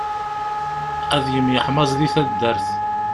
Ad yemyeḥmaẓ di taddart.